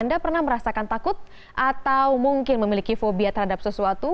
anda pernah merasakan takut atau mungkin memiliki fobia terhadap sesuatu